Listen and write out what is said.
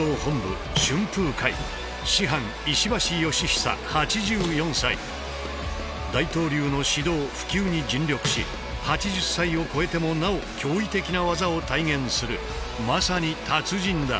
そうでない人が要するに大東流の指導普及に尽力し８０歳を越えてもなお驚異的な技を体現するまさに達人だ。